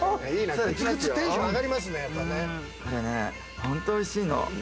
これね、本当においしいの。